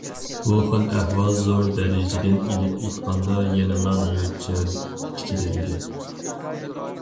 بۇ خىل ئەھۋال زور دەرىجىدىن ئېلىپ ئېيتقاندا يەنىلا مۆلچەر ئىچىدە ئىدى.